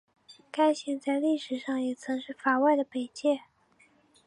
该线在历史上也曾是法外的北界。